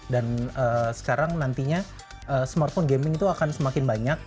dan sekarang nantinya smartphone gaming itu akan semakin banyak